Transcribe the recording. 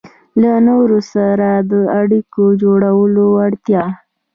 -له نورو سره د اړیکو جوړولو وړتیا